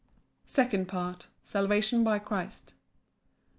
Second Part. Salvation by Christ.